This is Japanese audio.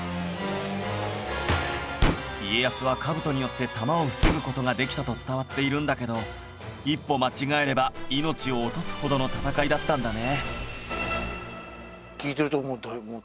家康は兜によって弾を防ぐ事ができたと伝わっているんだけど一歩間違えれば命を落とすほどの戦いだったんだね